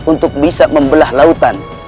untuk bisa membelah lautan